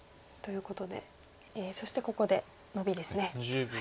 そしてここでノビですね。